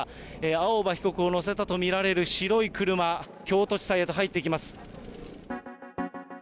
青葉被告を乗せたと見られる白い車、京都地裁へと入っていきます。